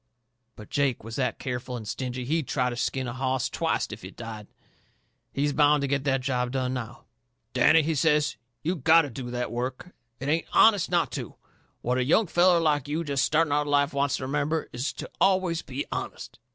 But Jake was that careful and stingy he'd try to skin a hoss twicet if it died. He's bound to get that job done, now. "Danny," he says, "you gotto do that work. It ain't HONEST not to. What a young feller like you jest starting out into life wants to remember is to always be honest.